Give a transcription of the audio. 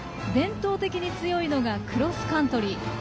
伝統的に強いのがクロスカントリー。